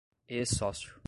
ex-sócio